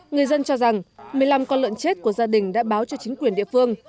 người dân cho rằng một mươi năm con lợn chết của gia đình đã báo cho chính quyền địa phương